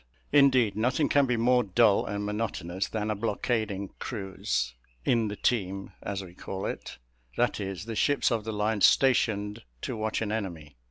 Indeed nothing can be more dull and monotonous than a blockading cruise "in the team," as we call it; that is, the ships of the line stationed to watch an enemy.